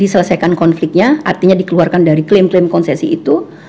selesaikan konfliknya artinya dikeluarkan dari klaim klaim konsesi itu